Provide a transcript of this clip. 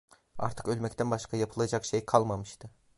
Artık ölmekten başka yapılacak şey kalmamıştı.